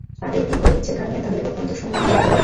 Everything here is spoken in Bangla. তাদের দীর্ঘ ঐতিহ্যের কারণে, তাদের অত্যন্ত সম্মান করা হয়।